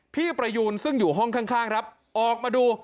พี่ประยูนซึ่งอยู่ห้องข้างครับออกมาดู